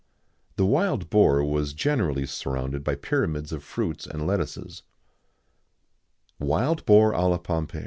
The wild boar was generally served surrounded by pyramids of fruits and lettuces.[XIX 79] _Wild Boar à la Pompée.